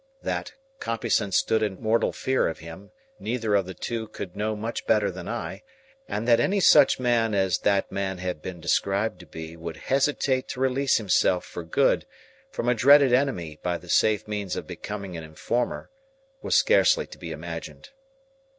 That Compeyson stood in mortal fear of him, neither of the two could know much better than I; and that any such man as that man had been described to be would hesitate to release himself for good from a dreaded enemy by the safe means of becoming an informer was scarcely to be imagined.